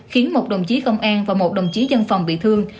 khiến một đồng chí công an và một đồng chí dân phòng bị thương